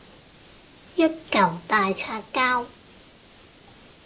一嚿大擦膠